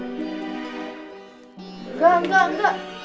enggak enggak enggak